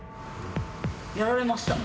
やられました。